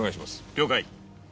了解。